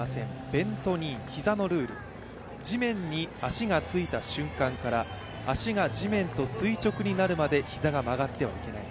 ベント・ニー膝のルール、地面に足がついた瞬間から足が地面と垂直になるまで膝が曲がってはいけない。